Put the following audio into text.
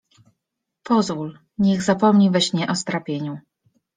Pozwól, niech zapomni we śnie o strapieniu.